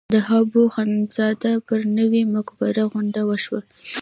د حبواخندزاده پر نوې مقبره غونډه وشوه.